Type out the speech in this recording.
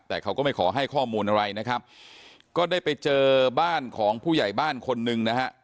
แต่เขาก็ไม่ขอให้ข้อมูลอะไรนะครับก็ได้ไปเจอบ้านของผู้ใหญ่บ้านคนหนึ่งนะฮะ